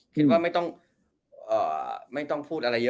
คิดว่าไม่ต้องอ่าไม่ต้องพูดอะไรอย่างนี้